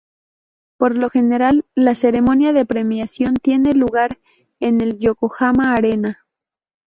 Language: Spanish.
Por lo general, la ceremonia de premiación tiene lugar en el Yokohama Arena.